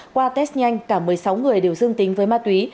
qua test nhanh cả một mươi sáu người đều dương tính với ma túy